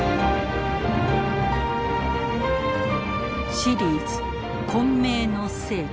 「シリーズ混迷の世紀」。